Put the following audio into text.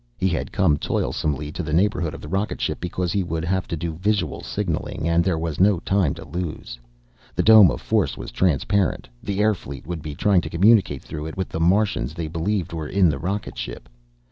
He had come toilsomely to the neighborhood of the rocket ship because he would have to do visual signaling, and there was no time to lose. The dome of force was transparent. The air fleet would be trying to communicate through it with the Martians they believed were in the rocket ship.